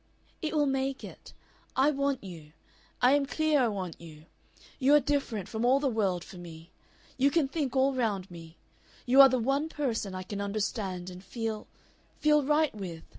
"It will make it. I want you. I am clear I want you. You are different from all the world for me. You can think all round me. You are the one person I can understand and feel feel right with.